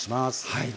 はい。